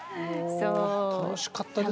楽しかったですね。